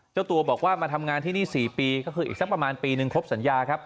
เจ้าตัวบอกว่ามาทำงานที่นี่๔ปีก็คืออีกสักประมาณปีนึงครบสัญญาครับ